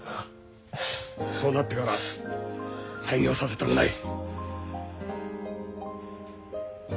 そうなってから廃業させたくない。